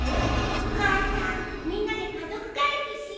お母さんみんなで家族会議しようねっ！？